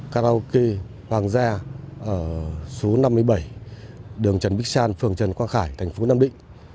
karaoke hoàng gia ở số năm mươi bảy đường trần bích san phường trần quang khải thành phố nam định